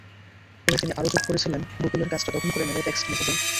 পরে তিনি আরও যোগ করেছিলেন, গুগলের কাজটা দখল করে নেবে টেক্সট মেসেজিং।